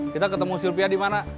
kita ketemu sylvia di mana